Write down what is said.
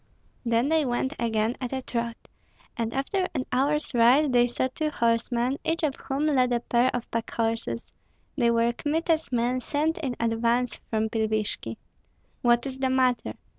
Then they went again at a trot, and after an hour's ride they saw two horsemen, each of whom led a pair of packhorses. They were Kmita's men sent in advance from Pilvishki. "What is the matter?"